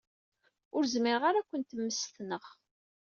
Ur zmireɣ ara ad kent-mmestneɣ.